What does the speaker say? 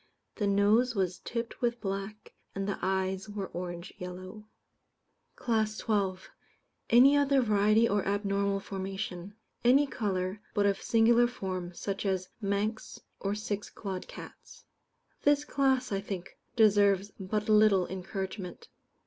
The nose was tipped with black, and the eyes were orange yellow. CLASS XII. Any other Variety or Abnormal Formation. Any colour, but of singular form, such as Manx or six clawed cats. This class, I think, deserves but little encouragement.